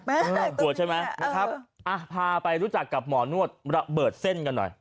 ปวดแม่ปวดใช่ไหมพาไปรู้จักกับหมอนวดระเบิดเส้นกันหน่อย